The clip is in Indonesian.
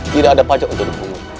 tidak ada pajak untuk dipungut